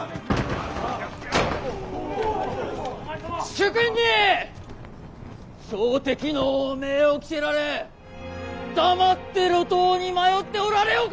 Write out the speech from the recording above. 主君に朝敵の汚名を着せられ黙って路頭に迷っておられようか。